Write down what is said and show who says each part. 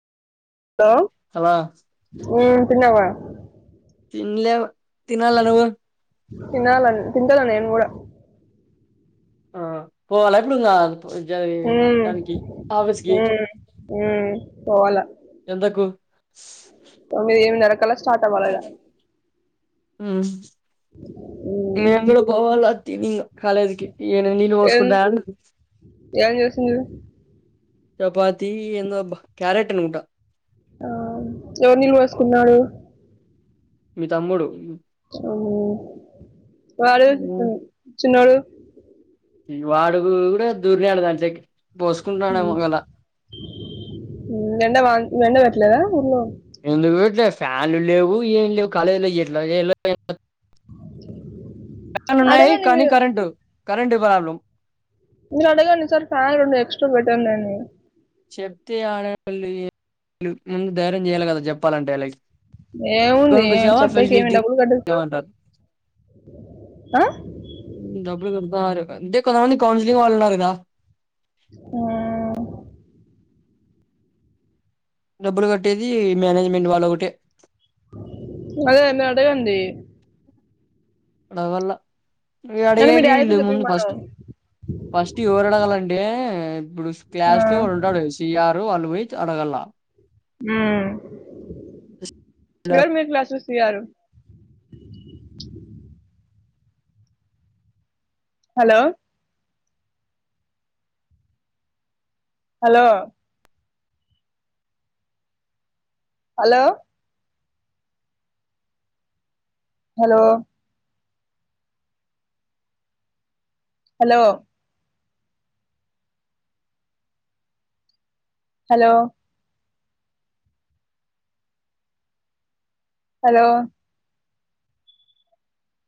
Speaker 1: లో
Speaker 2: హలా
Speaker 1: ఉ తిన్నవా
Speaker 2: తిన్లేవ్ తినాల నువు
Speaker 1: తినాల తింటాన నేను కూడా
Speaker 2: ఆ పోవాలా ఇప్పుడు ఇంగ జా
Speaker 1: హ్మ్
Speaker 2: తనికి ఆఫిస్కి
Speaker 1: హ్మ్ హ్మ్ పోవాలా
Speaker 2: ఎందకు
Speaker 1: తొమ్మిది ఎనిమిదిన్నరకళ్ళ స్టా హ్మ్
Speaker 2: మేము కూడా పోవాల తిని ఇగ కాలేజీకి ఏ నీను
Speaker 1: ఏం
Speaker 2: పోసుకొంటండూ
Speaker 1: ఏం చేసింది
Speaker 2: చపాతి ఏందో అబ్బా క్యారెట్ అనుకుంటా
Speaker 1: ఆ ఎవరు నీళ్ళు పోసుకున్నాడు
Speaker 2: మీ తమ్ముడు
Speaker 1: ఉ వాడు చిన్నోడు
Speaker 2: వాడు కూడా దూర్నిడు దానిలేకి పోసుకుంటాడేమో ఒగలా
Speaker 1: నిండా వాంగ్ నిండా వెట్లేదా ఊళ్ళో
Speaker 2: ఎందుకు వేట్లే ఫ్యాన్లు లేవు ఏం లేవు కాలేజీ ఏలో ఫ్యాన్లు ఉన్నాయి
Speaker 1: అడగండి
Speaker 2: కానీ
Speaker 1: మీరు
Speaker 2: కరెంట్ కరెంట్ ప్రాబ్లం
Speaker 1: మీరు అడగండి సార్ ఫ్యాన్ రెండు ఎక్స్ట్రా పెట్టండి అని
Speaker 2: చెప్తే ఆడపిళ్ళ ముందు ధైర్యం చేయాలి కదా చెప్పాలంటే అల్లాకి
Speaker 1: ఏముందే చొప్పేకేమి డబ్బుల్ గట్టి
Speaker 2: ఏమంటారు
Speaker 1: ఆ
Speaker 2: ఊ డబ్బులు గడుతన్నారు అంతే కొంతమంది కౌన్సిలింగ్ వాళ్ళు ఉన్నారు గదా
Speaker 1: ఆ
Speaker 2: డబ్బులు గట్టేది మ్యానేజ్మెంట్ వాళ్ళొగటే
Speaker 1: అదే అండి అడగండి
Speaker 2: అడగల్ల ఇగ
Speaker 1: అంటే మీ
Speaker 2: అడిగేకి
Speaker 1: డాడీతో
Speaker 2: వీల్లు ముందు
Speaker 1: చెప్పమను
Speaker 2: ఫస్ట్ ఫస్టు ఎవరడగాలంటే ఇబ్బుడు
Speaker 1: ఆ,
Speaker 2: క్లాస్ లో వాడు ఉంటాడు టిఆరు వాళ్ళు బొయ్ త్ అడగల్ల
Speaker 1: ఉ ఎవరు మీ క్లాస్ లో సీఆరు hello hello hello hello hello hello hello